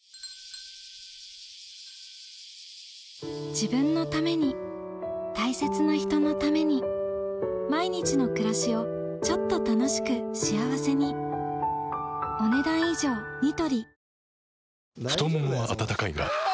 自分のために大切な人のために毎日の暮らしをちょっと楽しく幸せに太ももは温かいがあ！